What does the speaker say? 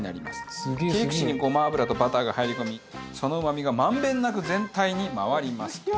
切り口にごま油とバターが入り込みそのうまみが満遍なく全体に回りますと。